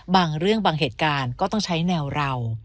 บางเรื่องบางเหตุการณ์ก็ต้องใช้แนวเรา